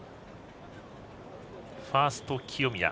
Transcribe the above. ファースト、清宮。